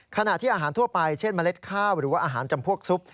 ขณะที่อาหารทั่วไปเช่นเมล็ดข้าวหรือว่าอาหารจำพวกซุป